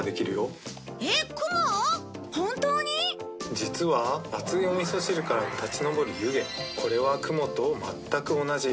実は熱いおみそ汁から立ち上る湯気これは雲とまったく同じ。